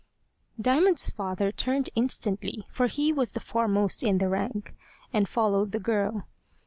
Diamond's father turned instantly, for he was the foremost in the rank, and followed the girl.